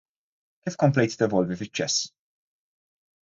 Kif komplejt tevolvi fiċ-ċess?